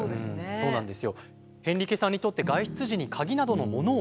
そうなんです。